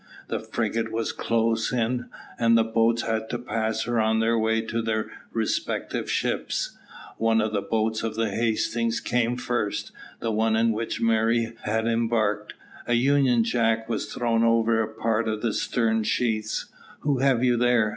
The frigate was close in, and the boats had to pass her on their way to their respective ships. One of the boats of the Hastings came first, the one in which Murray had embarked. A union jack was thrown over a part of the stern sheets. "Who have you there?"